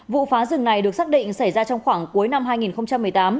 vụ phá rừng này được xác định xảy ra trong khoảng cuối năm hai nghìn một mươi tám